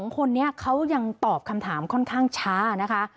๒คนนี้เขายังตอบคำถามค่อนข้างช้านะคะ